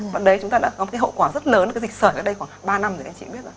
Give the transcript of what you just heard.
mà đấy chúng ta đã có một cái hậu quả rất lớn cái dịch sởi ở đây khoảng ba năm rồi các anh chị biết rồi